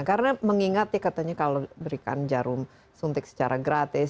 karena mengingat ya katanya kalau diberikan jarum suntik secara gratis